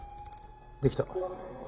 できた。